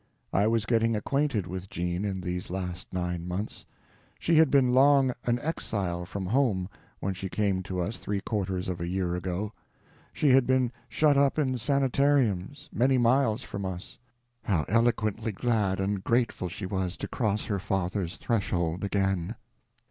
I was getting acquainted with Jean in these last nine months. She had been long an exile from home when she came to us three quarters of a year ago. She had been shut up in sanitariums, many miles from us. How eloquently glad and grateful she was to cross her father's threshold again!